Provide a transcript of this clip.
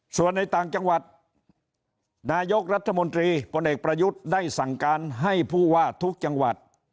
ส่วนในต่างจังหวัดนายกรัฐมนตรีพลเอกประยุทธ์ได้สั่งการให้ผู้ว่าทุกจังหวัด